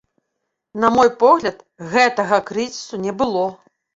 На мой погляд, гэтага крызісу не было.